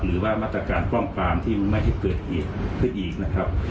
หรือว่ามาตรการป้องปรามที่ไม่ให้เกิดเหตุขึ้นอีกนะครับ